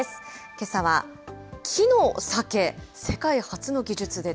けさは、木の酒、世界初の技術で。